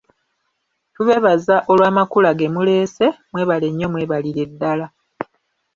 Tubeebaza olw’Amakula ge muleese, mwebale nnyo mwebalire ddala.